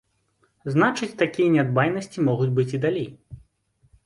Значыць, такія нядбайнасці могуць быць і далей.